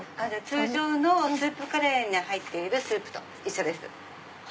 通常のスープカレーに入っているスープと一緒です。